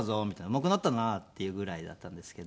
「うまくなったな」っていうぐらいだったんですけど。